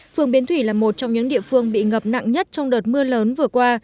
phường bến thủy là một trong những địa phương bị ngập nặng nhất trong đợt mưa lớn vừa qua